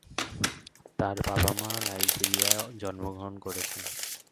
তার বাবা-মা নাইজেরিয়ায় জন্মগ্রহণ করেছেন।